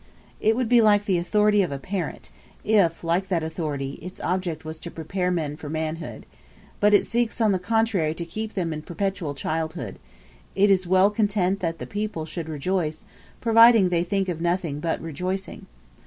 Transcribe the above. It would be like the authority of a parent, if, like that authority, its object was to prepare men for manhood; but it seeks on the contrary to keep them in perpetual childhood: it is well content that the people should rejoice, provided they think of nothing but rejoicing.